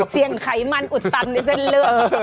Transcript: เสี่ยงไขมันอุดตันในเส้นเลือด